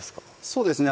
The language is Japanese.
そうですね